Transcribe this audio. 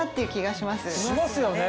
しますよね。